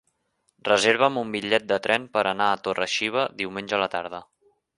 Reserva'm un bitllet de tren per anar a Torre-xiva diumenge a la tarda.